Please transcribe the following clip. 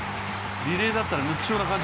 リレーだったら楽勝な感じ。